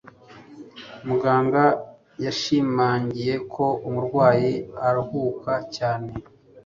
Muganga yashimangiye ko umurwayi aruhuka cyane